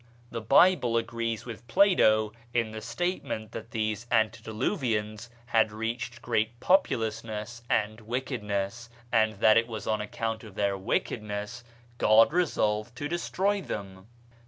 The Bible agrees with Plato in the statement that these Antediluvians had reached great populousness and wickedness, and that it was on account of their wickedness God resolved to destroy them.